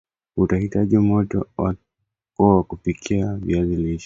Utahitaji moto wako wa kupikia viazi lishe